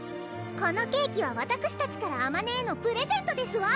「このケーキはわたくしたちからあまねへのプレゼントですわ」